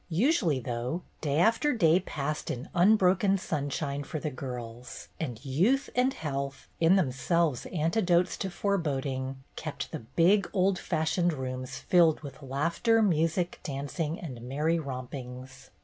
Usually, though, day after day passed in unbroken sunshine for the girls, and youth and health, in themselves antidotes to foreboding, kept the big old fashioned rooms filled wih laughter, music, dancing, and merry rompings.